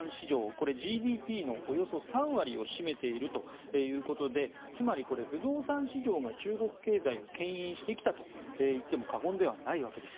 これはＧＤＰのおよそ３割を占めているということでつまり、不動産市場が中国経済をけん引してきたと言っても過言ではないわけです。